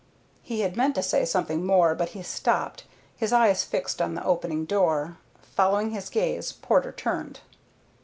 He had meant to say something more, but he stopped, his eyes fixed on the opening door. Following his gaze Porter turned.